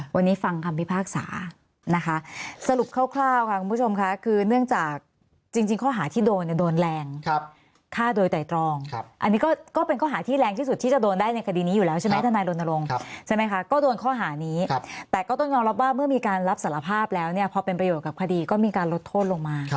วันนี้ฟังคำพิพากษานะคะสรุปคร่าวค่ะคุณผู้ชมค่ะคือเนื่องจากจริงข้อหาที่โดนเนี่ยโดนแรงฆ่าโดยไตรตรองอันนี้ก็เป็นข้อหาที่แรงที่สุดที่จะโดนได้ในคดีนี้อยู่แล้วใช่ไหมทนายรณรงค์ใช่ไหมคะก็โดนข้อหานี้แต่ก็ต้องยอมรับว่าเมื่อมีการรับสารภาพแล้วเนี่ยพอเป็นประโยชน์กับคดีก็มีการลดโทษลงมา